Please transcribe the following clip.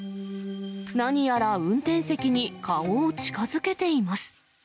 何やら運転席に顔を近づけています。